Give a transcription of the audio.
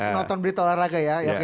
nonton berita olahraga ya